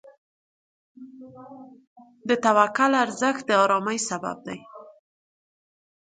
د توکل ارزښت د آرامۍ سبب دی.